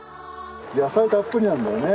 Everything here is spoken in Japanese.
野菜たっぷりなんだよね。